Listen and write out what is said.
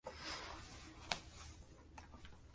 Sin embargo, finalmente no fue nominada.